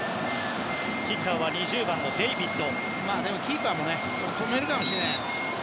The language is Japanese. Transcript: キッカーは２０番、デイビッド。